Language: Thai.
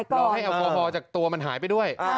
รอให้แอลกอฮอล์จากตัวมันหายไปด้วย